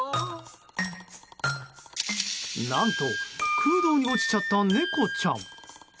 何と、空洞に落ちちゃった猫ちゃん。